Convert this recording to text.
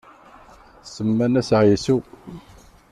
Semman-as Ɛisu.